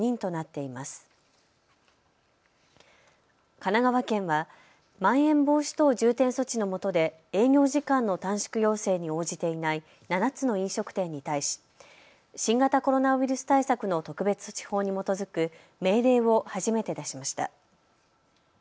神奈川県はまん延防止等重点措置のもとで営業時間の短縮要請に応じていない７つの飲食店に対し新型コロナウイルス対策の特別措置法に基づく命令を初めて出しました。